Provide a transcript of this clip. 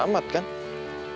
gak ada temennya